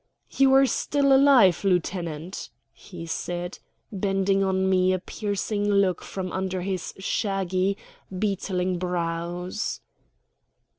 "You are still alive, lieutenant?" he said, bending on me a piercing look from under his shaggy, beetling brows.